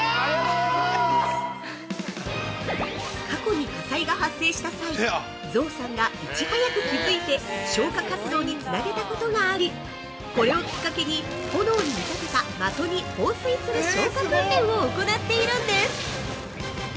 ◆過去に火災が発生した際、象さんがいち早く気づいて消火活動につなげたことがあり、これをきっかけに、炎に見立てた的に放水する消火訓練を行っているんです！